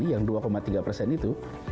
yang dua tiga persen itu